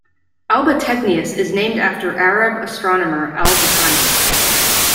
Albategnius is named after Arab astronomer Al-Battani.